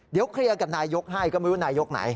เดี๋ยวเคลียร์กับนายกให้ก็ไม่รู้นายกไหน